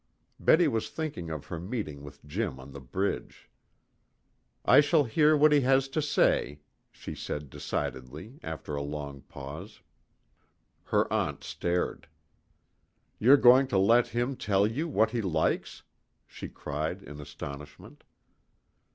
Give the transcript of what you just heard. Betty was thinking of her meeting with Jim on the bridge. "I shall hear what he has to say," she said decidedly, after a long pause. Her aunt stared. "You're going to let him tell you what he likes?" she cried in astonishment.